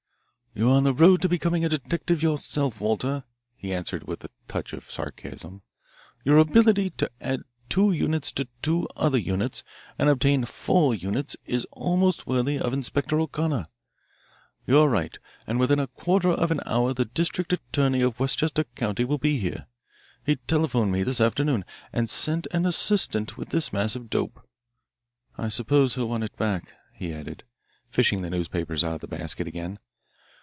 "You are on the road to becoming a detective yourself, Walter," he answered with a touch of sarcasm. "Your ability to add two units to two other units and obtain four units is almost worthy of Inspector O'Connor. You are right and within a quarter of an hour the district attorney of Westchester County will be here. He telephoned me this afternoon and sent an assistant with this mass of dope. I suppose he'll want it back," he added, fishing the newspapers out of the basket again.